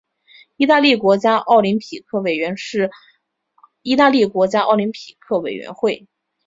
意大利国家奥林匹克委员会是意大利的国家奥林匹克委员会。